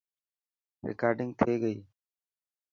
رڪارڊنگ ٿي گئي.